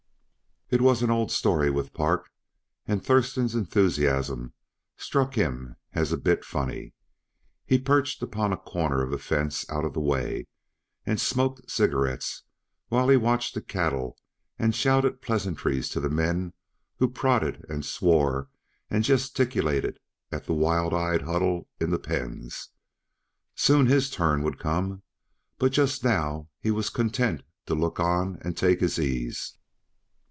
It was an old story with Park, and Thurston's enthusiasm struck him as a bit funny. He perched upon a corner of the fence out of the way, and smoked cigarettes while he watched the cattle and shouted pleasantries to the men who prodded and swore and gesticulated at the wild eyed huddle in the pens. Soon his turn would come, but just now he was content to look on and take his ease.